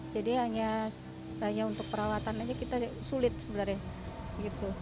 jadi hanya untuk perawatan aja kita sulit sebenarnya